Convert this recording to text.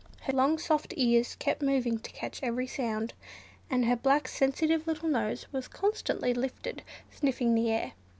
Her long soft ears kept moving to catch every sound, and her black sensitive little nose was constantly lifted, sniffing the air.